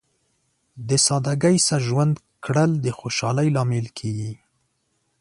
د سادګۍ سره ژوند کول د خوشحالۍ لامل کیږي.